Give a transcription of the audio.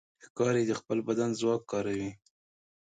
ښکاري د خپل بدن ځواک کاروي.